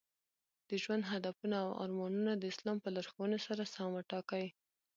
د ژوند هدفونه او ارمانونه د اسلام په لارښوونو سره سم وټاکئ.